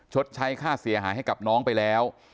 ชดใช้ค่าเสียหายให้กับน้องไปแล้ว